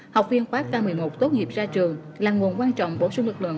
học viên khóa k một mươi một tốt nghiệp ra trường là nguồn quan trọng bổ sung lực lượng